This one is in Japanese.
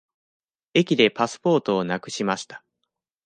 駅でパスポートをなくしました。